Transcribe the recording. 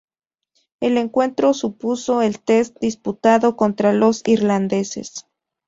El encuentro supuso el test disputado contra los irlandeses.